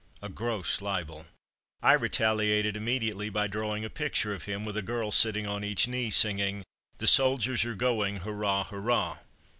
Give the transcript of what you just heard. A gross libel. I retaliated immediately by drawing a picture of him, with a girl sitting on each knee, singing "The soldiers are going, hurrah! hurrah!"